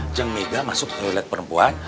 jang mega masuk toilet perempuan